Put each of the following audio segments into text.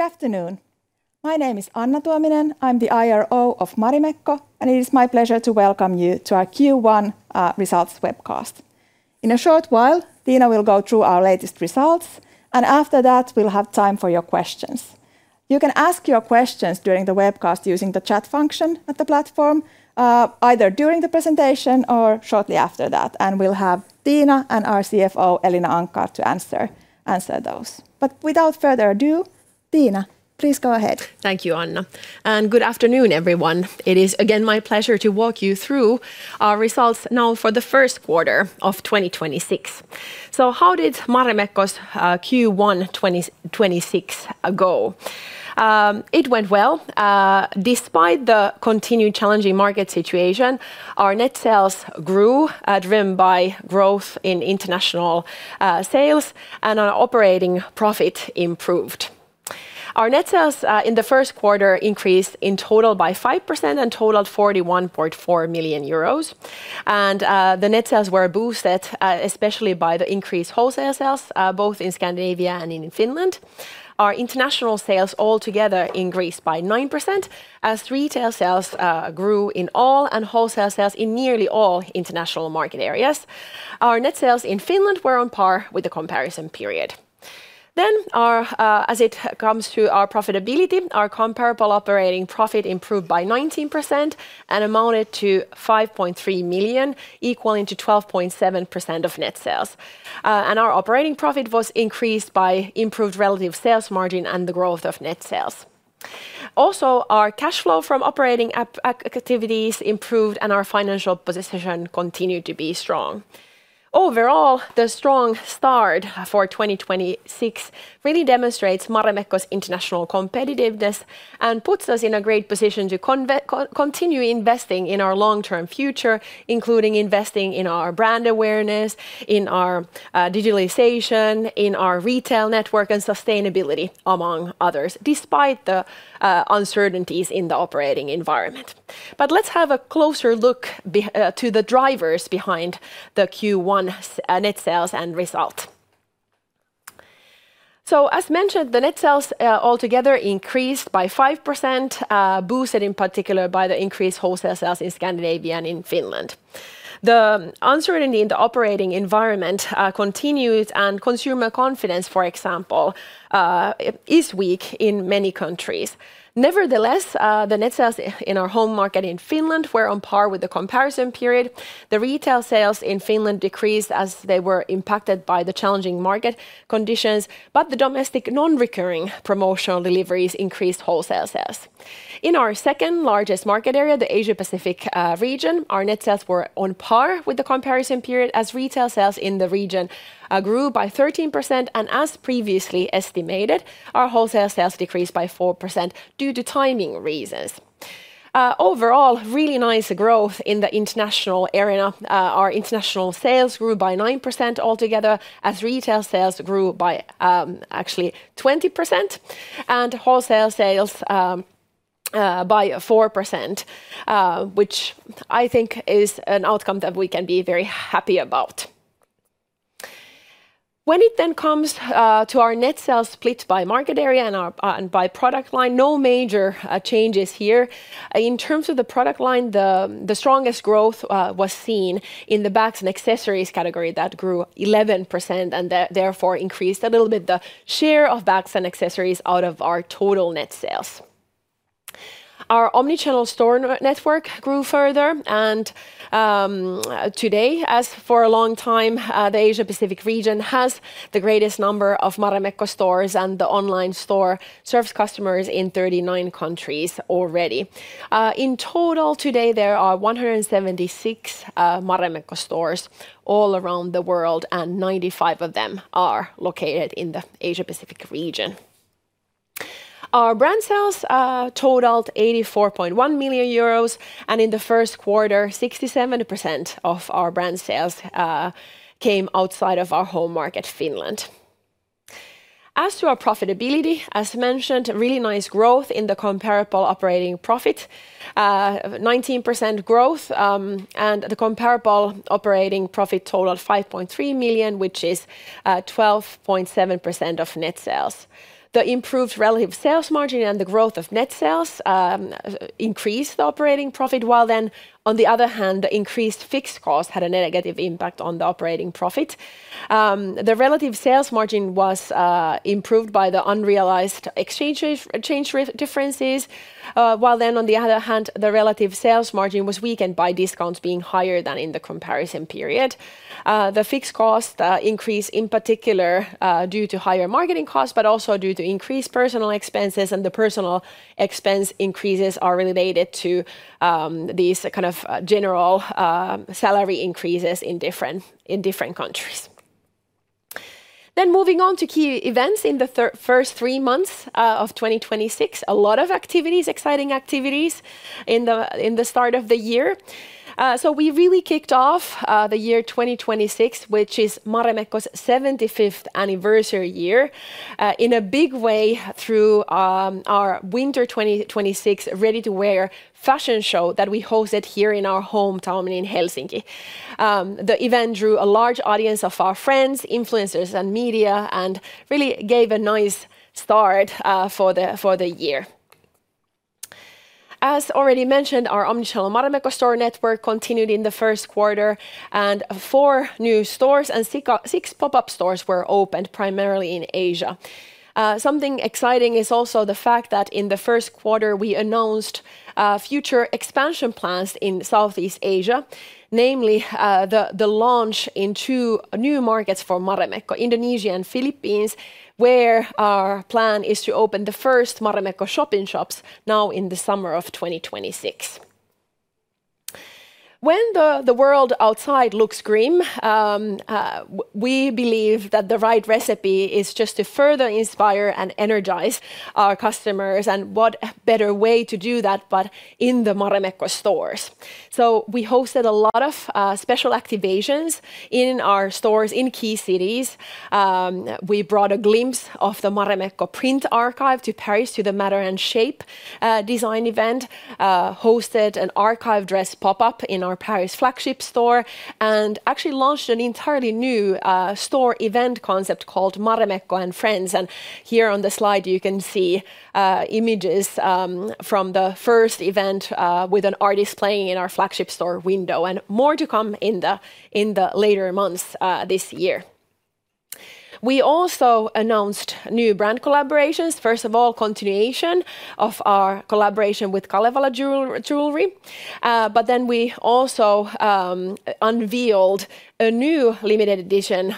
Good afternoon. My name is Anna Tuominen. I'm the IRO of Marimekko. It is my pleasure to welcome you to our Q1 results webcast. In a short while, Tiina will go through our latest results. After that, we'll have time for your questions. You can ask your questions during the webcast using the chat function at the platform, either during the presentation or shortly after that. We'll have Tiina and our CFO, Elina Anckar, to answer those. Without further ado, Tiina, please go ahead. Thank you, Anna. Good afternoon, everyone. It is again my pleasure to walk you through our results now for the first quarter of 2026. How did Marimekko's Q1 2026 go? It went well. Despite the continued challenging market situation, our net sales grew, driven by growth in international sales, and our operating profit improved. Our net sales in the first quarter increased in total by 5% and totaled 41.4 million euros. The net sales were boosted especially by the increased wholesale sales both in Scandinavia and in Finland. Our international sales altogether increased by 9%, as retail sales grew in all and wholesale sales in nearly all international market areas. Our net sales in Finland were on par with the comparison period. As it comes to our profitability, our comparable operating profit improved by 19% and amounted to 5.3 million, equaling to 12.7% of net sales. Our operating profit was increased by improved relative sales margin and the growth of net sales. Our cash flow from operating activities improved, and our financial position continued to be strong. Overall, the strong start for 2026 really demonstrates Marimekko's international competitiveness and puts us in a great position to continue investing in our long-term future, including investing in our brand awareness, in our digitalization, in our retail network, and sustainability, among others, despite the uncertainties in the operating environment. Let's have a closer look to the drivers behind the Q1 net sales end result. As mentioned, the net sales altogether increased by 5%, boosted in particular by the increased wholesale sales in Scandinavia and in Finland. The uncertainty in the operating environment continues, and consumer confidence, for example, is weak in many countries. Nevertheless, the net sales in our home market in Finland were on par with the comparison period. The retail sales in Finland decreased as they were impacted by the challenging market conditions, but the domestic non-recurring promotional deliveries increased wholesale sales. In our second-largest market area, the Asia Pacific region, our net sales were on par with the comparison period as retail sales in the region grew by 13%. As previously estimated, our wholesale sales decreased by 4% due to timing reasons. Overall, really nice growth in the international arena. Our international sales grew by 9% altogether, as retail sales grew by, actually 20% and wholesale sales by 4%, which I think is an outcome that we can be very happy about. When it then comes to our net sales split by market area and our and by product line, no major changes here. In terms of the product line, the strongest growth was seen in the bags and accessories category. That grew 11% and therefore increased a little bit the share of bags and accessories out of our total net sales. Our omnichannel store network grew further, and today, as for a long time, the Asia Pacific region has the greatest number of Marimekko stores, and the online stores serves customers in 39 countries already. In total, today there are 176 Marimekko stores all around the world, and 95 of them are located in the Asia Pacific region. Our brand sales totaled 84.1 million euros, and in the first quarter, 67% of our brand sales came outside of our home market, Finland. As to our profitability, as mentioned, really nice growth in the comparable operating profit. 19% growth, and the comparable operating profit totaled 5.3 million, which is 12.7% of net sales. The improved relative sales margin and the growth of net sales increased operating profit, while then, on the other hand, the increased fixed costs had a negative impact on the operating profit. The relative sales margin was improved by the unrealized exchange rate differences, while on the other hand, the relative sales margin was weakened by discounts being higher than in the comparison period. The fixed costs increased in particular due to higher marketing costs but also due to increased personal expenses, and the personnel expenses increases are related to these kind of general salary increases in different countries. Moving on to key events in the first three months of 2026, a lot of activities, exciting activities in the start of the year. We really kicked off the year 2026, which is Marimekko's 75th anniversary year, in a big way through our Winter 2026 ready-to-wear fashion show that we hosted here in our hometown in Helsinki. The event drew a large audience of our friends, influencers, and media and really gave a nice start for the year. As already mentioned, our omnichannel Marimekko store network continued in the first quarter, and four new stores and six pop-up stores were opened primarily in Asia. Something exciting is also the fact that in the first quarter we announced future expansion plans in Southeast Asia, namely, the launch in two new markets for Marimekko, Indonesia, and Philippines, where our plan is to open the first Marimekko shop-in-shops now in the summer of 2026. When the world outside looks grim, we believe that the right recipe is just to further inspire and energize our customers, and what better way to do that but in the Marimekko stores. We hosted a lot of special activations in our stores in key cities. We brought a glimpse of the Marimekko print archive to Paris to the Matter & Shape design event, hosted an archive dress pop-up in our Paris flagship store, and actually launched an entirely new store event concept called Marimekko & Friends. Here on the slide you can see images from the first event with an artist playing in our flagship store window, and more to come in the later months this year. We also announced new brand collaborations. First of all, continuation of our collaboration with Kalevala Jewelry. We also unveiled a new limited edition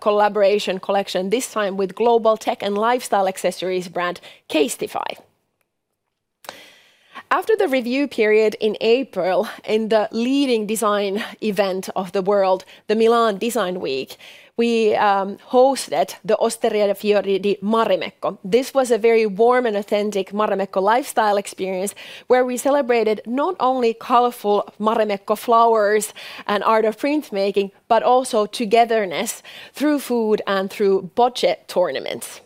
collaboration collection, this time with global tech and lifestyle accessories brand, CASETiFY. After the review period in April, in the leading design event of the world, the Milan Design Week, we hosted the Osteria Fiori di Marimekko. This was a very warm and authentic Marimekko lifestyle experience where we celebrated not only colorful Marimekko flowers and art of print making, but also togetherness through food and through bocce tournaments.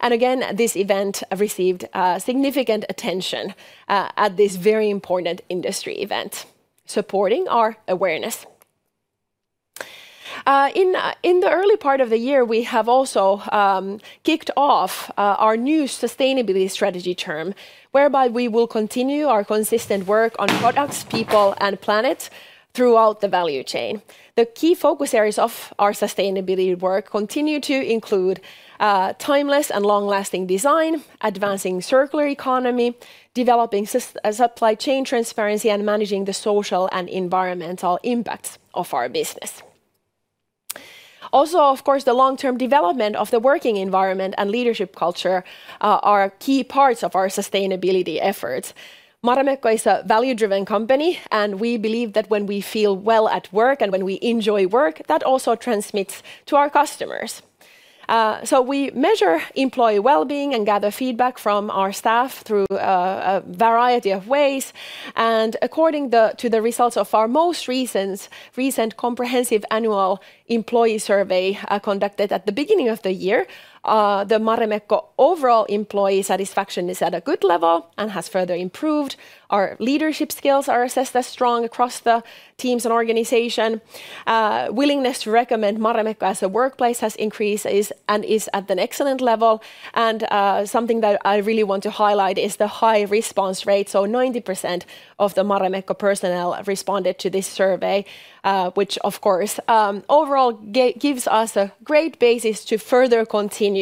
Again, this event received significant attention at this very important industry event, supporting our awareness. In the early part of the year, we have also kicked off our new sustainability strategy term, whereby we will continue our consistent work on products, people, and planet throughout the value chain. The key focus areas of our sustainability work continue to include timeless and long-lasting design, advancing circular economy, developing supply chain transparency, and managing the social and environmental impacts of our business. Of course, the long-term development of the working environment and leadership culture are key parts of our sustainability efforts. Marimekko is a value-driven company. We believe that when we feel well at work and when we enjoy work, that also transmits to our customers. So we measure employee well-being and gather feedback from our staff through a variety of ways. According to the results of our most recent comprehensive annual employee survey, conducted at the beginning of the year, the Marimekko overall employee satisfaction is at a good level and has further improved. Our leadership skills are assessed as strong across the teams and organization. Willingness to recommend Marimekko as a workplace has increased and is at an excellent level. Something that I really want to highlight is the high response rate, so 90% of the Marimekko personnel responded to this survey, which of course, gives us a great basis to further continue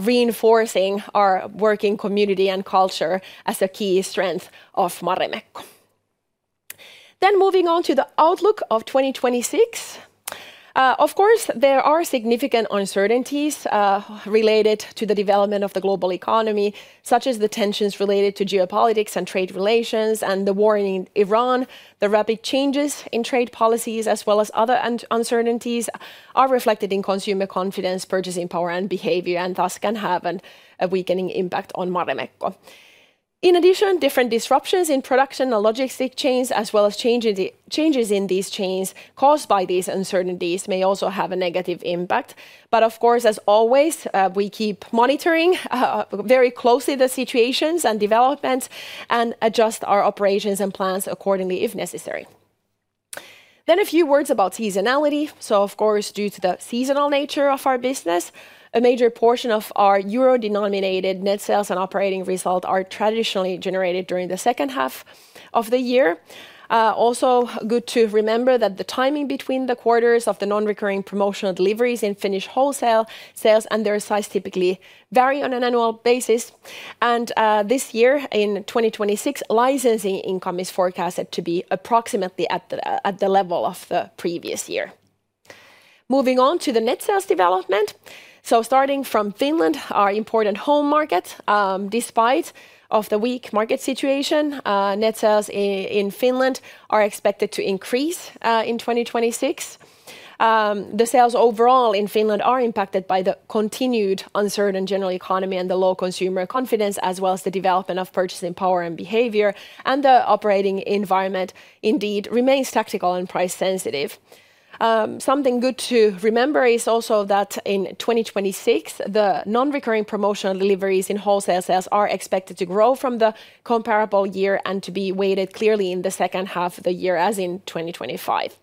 reinforcing our working community and culture as a key strength of Marimekko. Moving on to the outlook of 2026. Of course, there are significant uncertainties related to the development of the global economy, such as the tensions related to geopolitics and trade relations and the war in Ukraine. The rapid changes in trade policies as well as other uncertainties are reflected in consumer confidence, purchasing power and behavior, and thus can have a weakening impact on Marimekko. In addition, different disruptions in production and logistic chains, as well as changes in these chains caused by these uncertainties may also have a negative impact. Of course, as always, we keep monitoring very closely the situations and developments and adjust our operations and plans accordingly if necessary. A few words about seasonality. Of course, due to the seasonal nature of our business, a major portion of our EUR-denominated net sales and operating results are traditionally generated during the second half of the year. Also good to remember that the timing between the quarters of the non-recurring promotional deliveries in Finnish wholesale sales and their size typically vary on an annual basis. This year, in 2026, licensing income is forecasted to be approximately at the level of the previous year. Moving on to the net sales development. Starting from Finland, our important home market, despite of the weak market situation, net sales in Finland are expected to increase in 2026. The sales overall in Finland are impacted by the continued uncertain general economy and the low consumer confidence, as well as the development of purchasing power and behavior, and the operating environment indeed remains tactical and price sensitive. Something good to remember is also that in 2026, the non-recurring promotional deliveries in wholesale sales are expected to grow from the comparable year and to be weighted clearly in the second half of the year, as in 2025.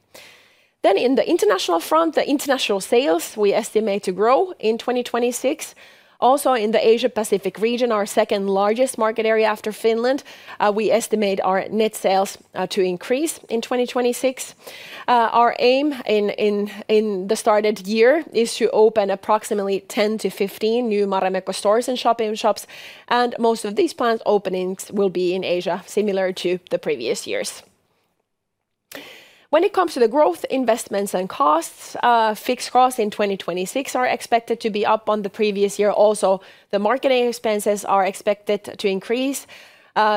In the international front, the international sales, we estimate to grow in 2026. Also in the Asia-Pacific region, our second-largest market area after Finland, we estimate our net sales to increase in 2026. Our aim in the started year is to open approximately 10 to 15 new Marimekko stores and shop-in-shops, and most of these planned openings will be in Asia, similar to the previous years. When it comes to the growth investments and costs, fixed costs in 2026 are expected to be up on the previous year. The marketing expenses are expected to increase.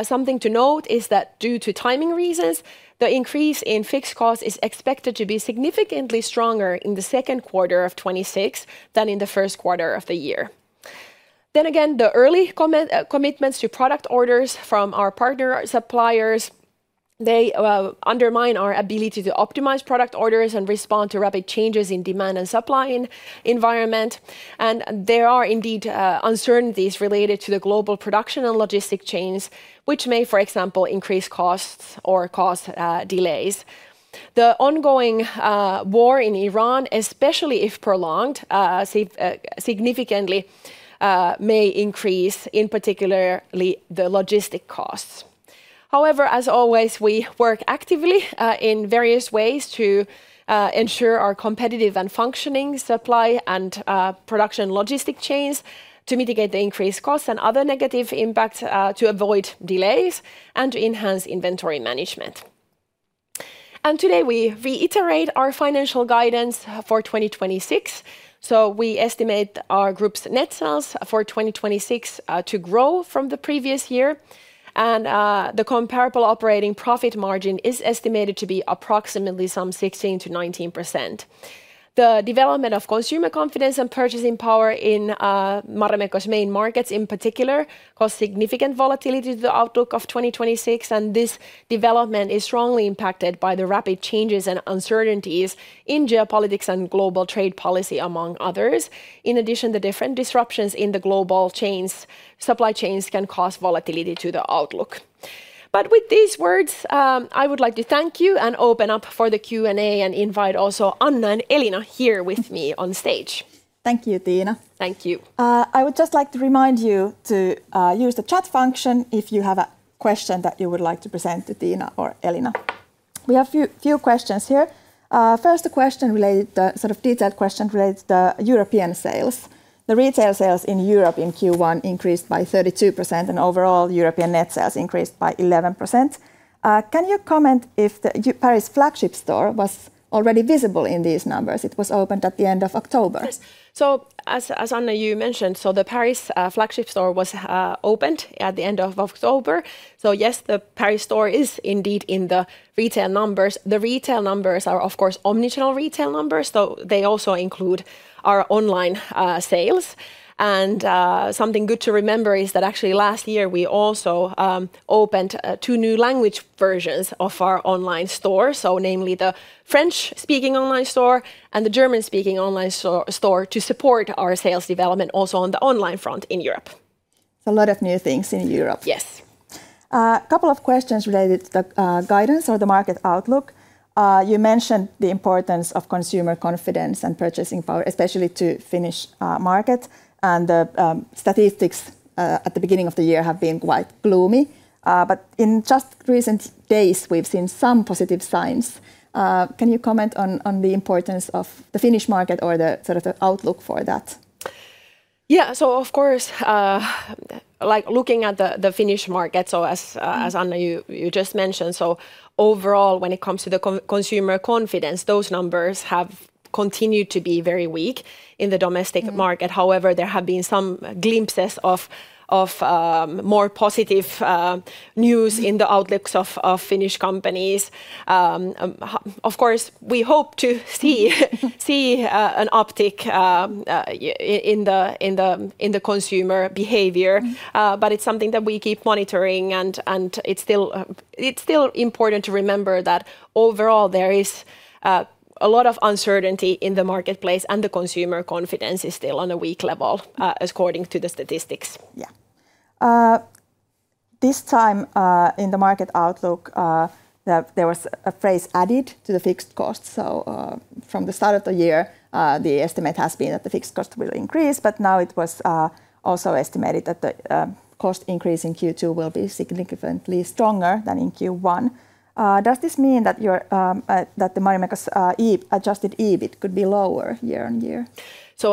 Something to note is that due to timing reasons, the increase in fixed costs is expected to be significantly stronger in Q2 2026 than in Q1. The early commit commitments to product orders from our partner suppliers, they undermine our ability to optimize product orders and respond to rapid changes in demand and supply environment, and there are indeed uncertainties related to the global production and logistic chains, which may, for example, increase costs or cause delays. The ongoing war in Iran, especially if prolonged significantly, may increase, in particular, the logistic costs. However, as always, we work actively in various ways to ensure our competitive and functioning supply and production logistic chains to mitigate the increased costs and other negative impacts, to avoid delays and to enhance inventory management. Today we reiterate our financial guidance for 2026. We estimate our group's net sales for 2026 to grow from the previous year. The comparable operating profit margin is estimated to be approximately 16%-19%. The development of consumer confidence and purchasing power in Marimekko's main markets in particular cause significant volatility to the outlook of 2026, and this development is strongly impacted by the rapid changes and uncertainties in geopolitics and global trade policy, among others. In addition, the different disruptions in the global chains, supply chains can cause volatility to the outlook. With these words, I would like to thank you and open up for the Q&A and invite also Anna and Elina here with me on stage. Thank you, Tiina. Thank you. I would just like to remind you to use the chat function if you have a question that you would like to present to Tiina or Elina. We have few questions here. First a question related Sort of detailed question related to the European sales. The retail sales in Europe in Q1 increased by 32%, and overall European net sales increased by 11%. Can you comment if the Paris flagship store was already visible in these numbers? It was opened at the end of October. Yes. As Anna you mentioned, the Paris flagship store was opened at the end of October. Yes, the Paris store is indeed in the retail numbers. The retail numbers are of course omni-channel retail numbers, so they also include our online sales. Something good to remember is that actually last year we also opened two new language versions of our online store, so namely the French-speaking online store and the German-speaking online store to support our sales development also on the online front in Europe. A lot of new things in Europe. Yes. Couple of questions related to the guidance or the market outlook. You mentioned the importance of consumer confidence and purchasing power, especially to Finnish market. The statistics at the beginning of the year have been quite gloomy. In just recent days we've seen some positive signs. Can you comment on the importance of the Finnish market or the sort of the outlook for that? Yeah. of course, like looking at the Finnish market, so as Anna you just mentioned, overall when it comes to the consumer confidence, those numbers have continued to be very weak in the domestic market. However, there have been some glimpses of more positive news in the outlooks of Finnish companies. Of course, we hope to see an uptick in the consumer behavior. It's something that we keep monitoring, and it's still important to remember that overall there is a lot of uncertainty in the marketplace, and the consumer confidence is still on a weak level, according to the statistics. This time, in the market outlook, there was a phrase added to the fixed costs. From the start of the year, the estimate has been that the fixed cost will increase, now it was also estimated that the cost increase in Q2 will be significantly stronger than in Q1. Does this mean that your Marimekko's Adjusted EBIT could be lower year-over-year?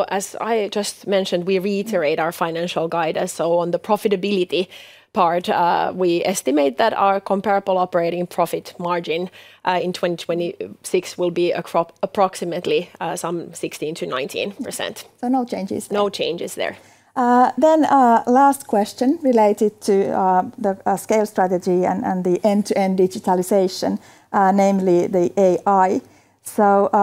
As I just mentioned, we reiterate our financial guidance. On the profitability part, we estimate that our comparable operating profit margin in 2026 will be approximately 16%-19%. No changes there? No changes there. Last question related to the SCALE strategy and the end-to-end digitalization, namely the AI.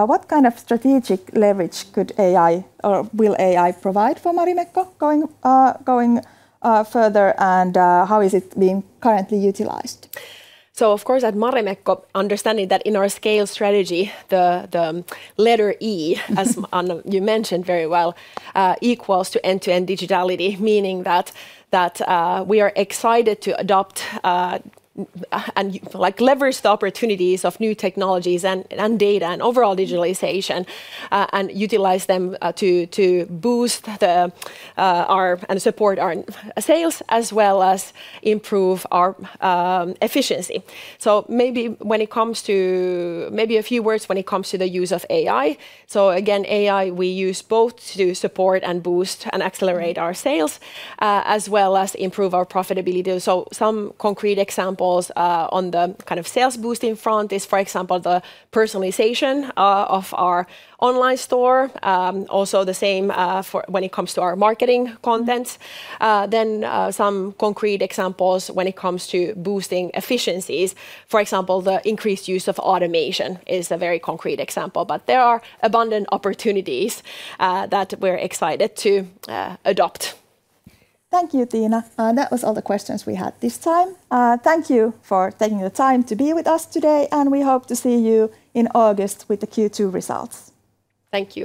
What kind of strategic leverage could AI or will AI provide for Marimekko going further, and how is it being currently utilized? Of course at Marimekko, understanding that in our SCALE strategy, the letter E as Anna you mentioned very well, equals to end-to-end digitality, meaning that, we are excited to adopt and, like, leverage the opportunities of new technologies and data and overall digitalization, and utilize them to boost our and support our sales as well as improve our efficiency. Maybe a few words when it comes to the use of AI. Again, AI we use both to support and boost and accelerate our sales as well as improve our profitability. Some concrete examples on the kind of sales boosting front is, for example, the personalization of our online store. Also the same for when it comes to our marketing content. Some concrete examples when it comes to boosting efficiencies, for example, the increased use of automation is a very concrete example. There are abundant opportunities that we're excited to adopt. Thank you, Tiina. That was all the questions we had this time. Thank you for taking the time to be with us today. We hope to see you in August with the Q2 results. Thank you